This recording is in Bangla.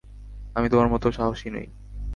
আমি তোমার মত সাহসী নই।